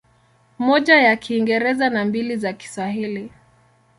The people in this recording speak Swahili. Moja ya Kiingereza na mbili za Kiswahili.